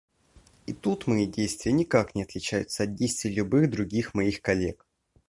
И тут мои действия никак не отличаются от действий любых других моих коллег.